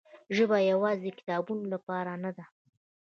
ژبه یوازې د کتابونو لپاره نه ده.